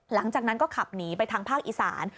หลังจากนั้นก็ขับหนีไปทางภาคอีสาน